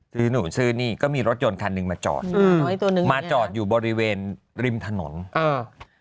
นี่หนูซื้อนี่ก็มีรถยนต์คันนึงมาจอดมาจอดอยู่บริเวณริมถนนอ่า